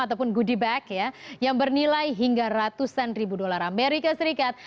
ataupun goodie bag ya yang bernilai hingga ratusan ribu dolar amerika serikat